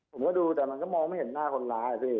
ผมก็ดูแต่มันก็มองไม่เห็นหน้าคนร้ายอ่ะพี่